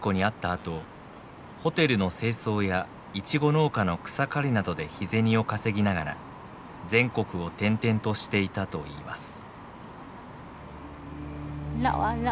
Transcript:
あとホテルの清掃やイチゴ農家の草刈りなどで日銭を稼ぎながら全国を転々としていたといいます。